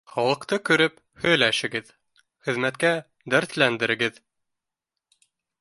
Ха лыҡты күреп һөйләшегеҙ, хеҙмәткә дәртләндерегеҙ